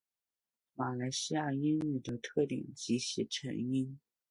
马来西亚英语的特点及其成因